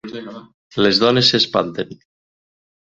Les dones s'espanten.